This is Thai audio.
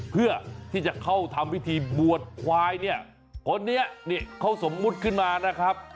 เพื่อที่จะเข้าทำพิธีบวชควายเนี่ยคนนี้เนี่ยเขาสมมุติขึ้นมานะครับ